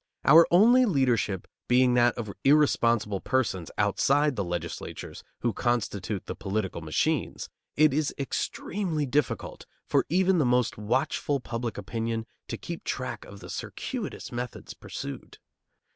Our only leadership being that of irresponsible persons outside the legislatures who constitute the political machines, it is extremely difficult for even the most watchful public opinion to keep track of the circuitous methods pursued.